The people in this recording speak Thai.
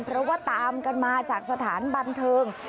เพราะว่าตามกันมาจากสถานบันเทิง